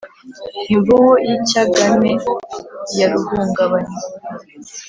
Imvubu y'icyagane ya ruhungabanya